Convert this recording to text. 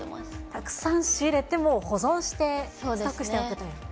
たくさん仕入れて保存してストックしておくという。